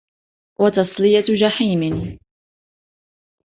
وَتَصْلِيَةُ جَحِيمٍ